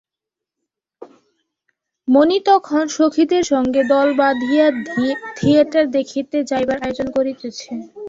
মণি তখন সখীদের সঙ্গে দল বাঁধিয়া থিয়েটার দেখিতে যাইবার আয়োজন করিতেছে।